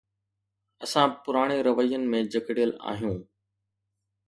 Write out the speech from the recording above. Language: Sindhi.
اسان پراڻي روين ۾ جڪڙيل آهيون.